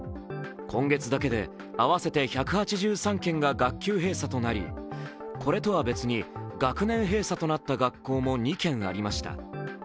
今月だけで合わせて１８３件が学級閉鎖となり、これとは別に学年閉鎖となった学校も２件ありました。